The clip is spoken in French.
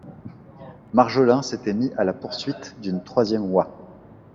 Marjolin s’était mis à la poursuite d’une troisième oie.